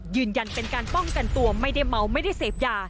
ยืนยันเป็นการป้องกันตัวไม่ได้เมาไม่ได้เสพยา